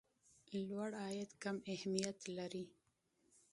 لوړ عاید کم اهميت لري.